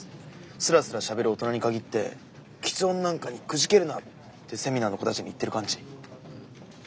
すらすらしゃべる大人に限って「吃音なんかにくじけるな」ってセミナーの子たちに言ってる感じ。